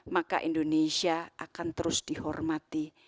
maka indonesia akan terus dihormati